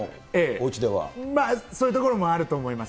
まあ、そういうところもあると思います。